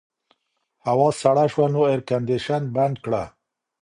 هوا سړه شوه نو اېرکنډیشن بند کړه.